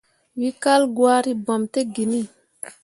We kal gwari, bam tə genni.